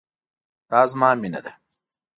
دا زما مينه ده